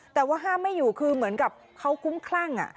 แต่ว่าห้ามไม่อยู่คือเหมือนกับเขาคุ้มคลั่ง